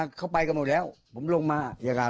๑๔ครั้งเลย